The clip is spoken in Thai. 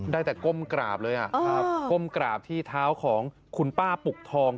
ได้แต่ก้มกราบเลยก้มกราบที่เท้าของคุณป้าปุกทอง